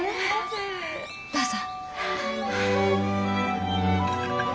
どうぞ。